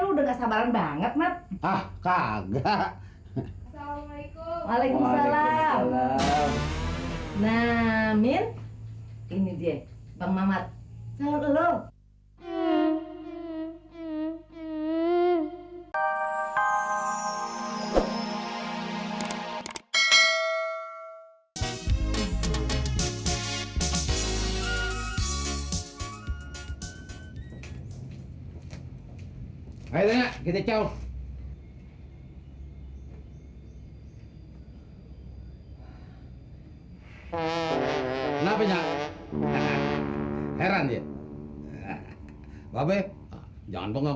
udah gak sabaran banget matah kagak assalamualaikum waalaikumsalam amin ini dia bang mamat selalu